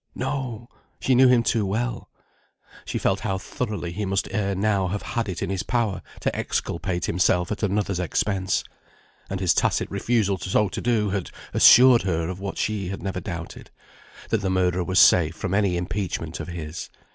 No! she knew him too well. She felt how thoroughly he must ere now have had it in his power to exculpate himself at another's expense. And his tacit refusal so to do had assured her of what she had never doubted, that the murderer was safe from any impeachment of his.